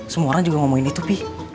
semua orang juga ngomongin itu pi